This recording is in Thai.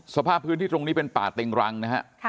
สภาพพื้นที่ตรงนี้เป็นป่าเต็งรังนะฮะ